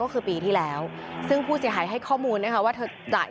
ก็คือปีที่แล้วซึ่งผู้เสียหายให้ข้อมูลนะคะว่าเธอจ่าย